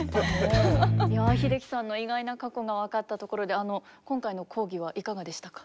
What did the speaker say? いや英樹さんの意外な過去が分かったところで今回の講義はいかがでしたか？